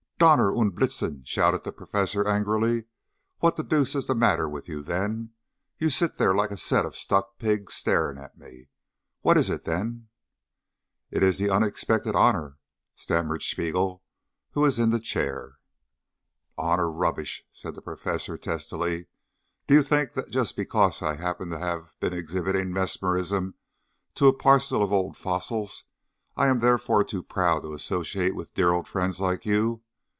"Donner und Blitzen!" shouted the Professor angrily. "What the deuce is the matter with you, then? You sit there like a set of stuck pigs staring at me. What is it, then?" "It is the unexpected honour," stammered Spiegel, who was in the chair. "Honour rubbish!" said the Professor testily. "Do you think that just because I happen to have been exhibiting mesmerism to a parcel of old fossils, I am therefore too proud to associate with dear old friends like you?